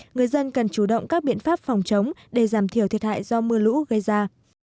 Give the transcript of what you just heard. người dân cần chủ động các biện pháp phòng chống để giảm thiểu thiệt hại do mưa lũ gây ra